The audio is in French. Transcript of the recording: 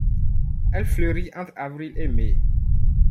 Elle fleurit entre avril et mai.